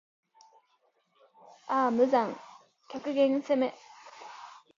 ああ無惨～極限責め～